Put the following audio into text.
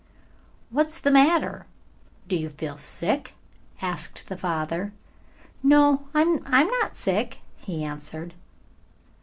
"What's the matter? Do you feel sick?" asked the father. "No, I'm not sick," he answered.